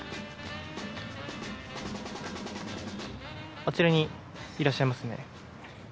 あちらにいらっしゃいますね。